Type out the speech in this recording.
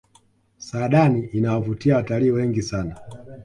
saadani inawavutia watalii wengi sana